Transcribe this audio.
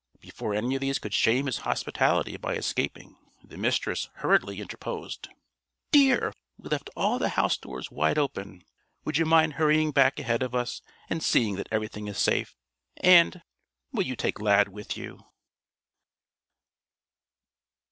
Before any of these could shame his hospitality by escaping, the Mistress hurriedly interposed: "Dear, we left all the house doors wide open. Would you mind hurrying back ahead of us and seeing that everything is safe? And will you take Lad with you?"